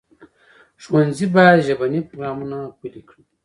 ښوونځي باید ژبني پروګرامونه پلي کړي.